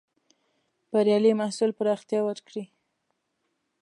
بریالي محصول پراختيا ورکړې.